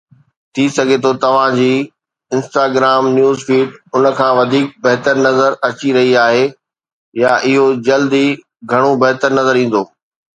ٿي سگهي ٿو توهان جي انسٽاگرام نيوز فيڊ ان کان وڌيڪ بهتر نظر اچي رهي آهي، يا اهو جلد ئي گهڻو بهتر نظر ايندو